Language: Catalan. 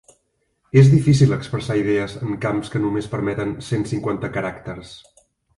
És difícil expressar idees en camps que només permeten cent-cinquanta caràcters.